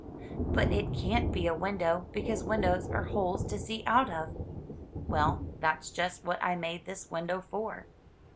"But it can't be a window, because windows are holes to see out of." "Well, that's just what I made this window for."